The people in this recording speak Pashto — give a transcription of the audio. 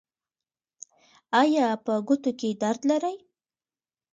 ایا په ګوتو کې درد لرئ؟